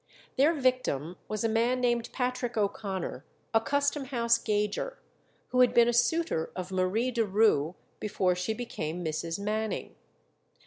Their victim was a man named Patrick O'Connor, a Custom House gauger, who had been a suitor of Marie de Roux before she became Mrs. Manning.